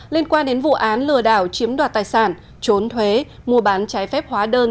liên quan đến vụ án lừa đảo chiếm đoạt tài sản trốn thuế mua bán trái phép hóa đơn